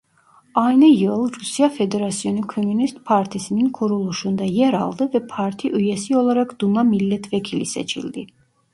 Aynı yıl Rusya Federasyonu Komünist Partisi'nin kuruluşunda yer aldı ve parti üyesi olarak Duma milletvekili seçildi.